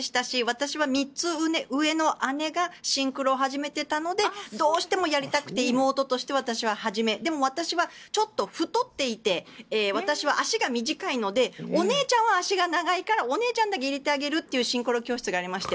私は３つ上の姉がシンクロを始めていたのでどうしてもやりたくて妹として私は始めでも私はちょっと太っていて私は足が短いのでお姉ちゃんは足が長いからお姉ちゃんだけ入れてあげるっていうシンクロ教室がありまして。